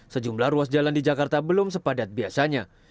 sejumlah ruas jalan di jakarta belum sepadat biasanya